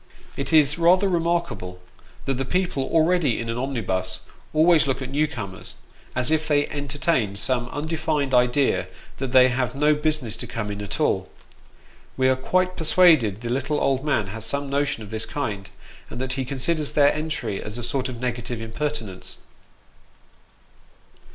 It is rather remarkable, that the people already in an omnibus, always look at new comers, as if they entertained some undefined idea that they have no business to come in at all. We are quite persuaded the little old man has some notion of this kind, and that he considers their entry as a sort of negative impertinence.